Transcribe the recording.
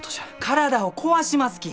体を壊しますき！